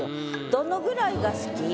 どのぐらいが好き？